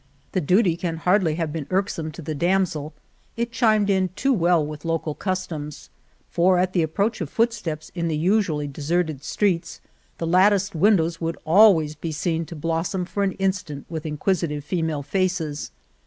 The duty can hardly have been irksome to the damsel — it chimed in too well with local customs, for at the approach of foot steps in the usually deserted streets the lat ticed windows would always be seen to blos 57 Argamasilla som for an instant with inquisitive female faces.